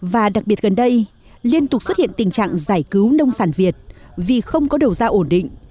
và đặc biệt gần đây liên tục xuất hiện tình trạng giải cứu nông sản việt vì không có đầu ra ổn định